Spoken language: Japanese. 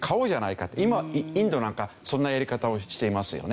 今インドなんかそんなやり方をしていますよね。